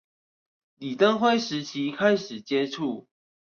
李登輝時期開始接觸